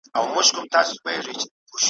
د کباب هره ټوته د زهرو جام وو ,